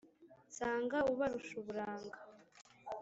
nsanga ubarusha uburanga